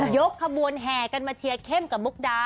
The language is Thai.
กขบวนแห่กันมาเชียร์เข้มกับมุกดา